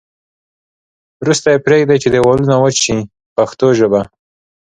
وروسته یې پرېږدي چې دېوالونه وچ شي په پښتو ژبه.